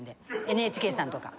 ＮＨＫさんとか。